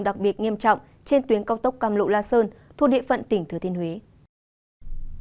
đặc biệt nghiêm trọng trên tuyến cao tốc càm lộ la sơn thu địa phận tỉnh thừa thên huế